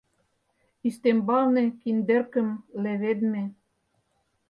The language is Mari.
Ӱстембалне киндеркым леведме.